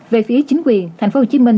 về phía chính quyền thành phố hồ chí minh